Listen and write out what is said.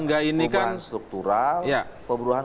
perubahan struktural perubahan